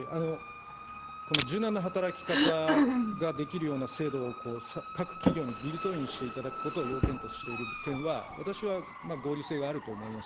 この柔軟な働き方ができるような制度を各企業にビルトインしていただくことを要件としている点は、私は合理性があると思います。